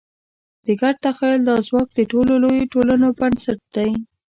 د ګډ تخیل دا ځواک د ټولو لویو ټولنو بنسټ دی.